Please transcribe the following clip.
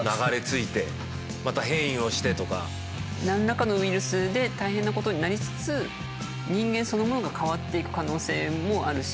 何らかのウイルスで大変なことになりつつ人間そのものが変わっていく可能性もあるし。